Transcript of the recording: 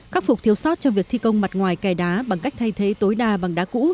khắc phục thiếu sót trong việc thi công mặt ngoài kè đá bằng cách thay thế tối đa bằng đá cũ